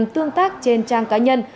tương tác trên trang cá nhân